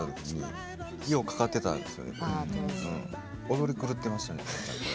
踊り狂ってましたね。